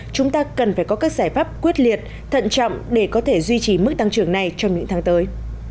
chúng ta cần phải có các giải pháp quyết liệt thận trọng để có thể duy trì mức tăng trưởng này trong những tháng tới